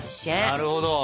なるほど。